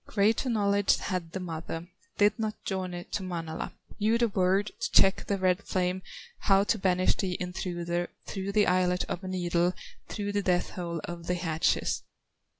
Greater knowledge had the mother, Did not journey to Manala, Knew the word to check the red flame, How to banish the intruder Through the eyelet of a needle, Through the death hole of the hatchet."